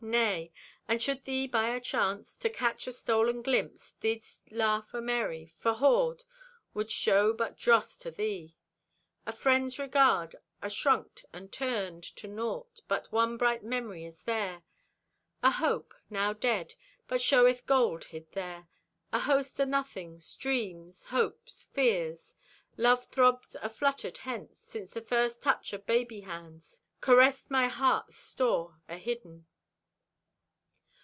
Nay. And should thee by a chance To catch a stolen glimpse, Thee'dst laugh amerry, for hord (hoard) Would show but dross to thee: A friend's regard, ashrunked and turned To naught—but one bright memory is there; A hope—now dead, but showeth gold hid there; A host o' nothings—dreams, hopes, fears; Love throbs afluttered hence Since first touch o' baby hands Caressed my heart's store ahidden.